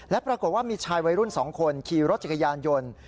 และปรากฏว่ามีชายวัยรุ่น๒คนขี่รถจักรยานยนต์